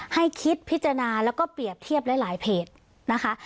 ให้คิดพิจารณาแล้วก็เปรียบเทียบหลายเพจนะคะ